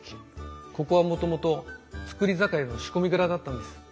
ここはもともと造り酒屋の仕込み蔵だったんです。